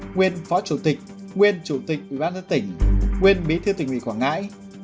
nguyên phó chủ tịch nguyên chủ tịch ubnd tỉnh nguyên bí thiêu tù nghỉ quảng ngãi